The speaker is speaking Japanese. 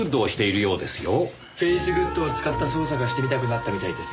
フェイスグッドを使った捜査がしてみたくなったみたいです。